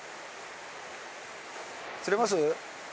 釣れます？